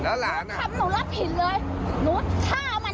หนูก็ฆ่ามันตายเลยหนูฆ่าคนหนูฆ่าคนตายเลยพี่หนูรับผิดเลย